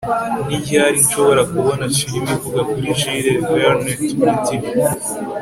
Ni ryari nshobora kubona firime ivuga kuri Jules Verne kuri TV